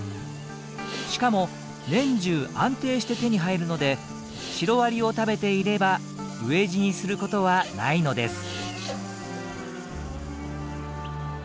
しかも年中安定して手に入るのでシロアリを食べていれば飢え死にすることはないのです。